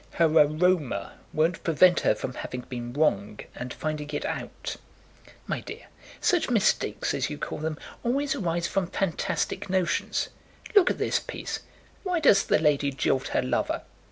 Her aroma won't prevent her from having been wrong and finding it out." "My dear, such mistakes, as you call them, always arise from fantastic notions. Look at this piece. Why does the lady jilt her lover?